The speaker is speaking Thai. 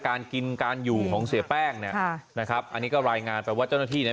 การกินการอยู่ของเสียแป้งเนี่ยค่ะนะครับอันนี้ก็รายงานไปว่าเจ้าหน้าที่เนี่ย